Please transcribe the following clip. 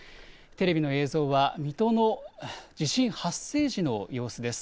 テレビの映像は水戸の地震発生時の様子です。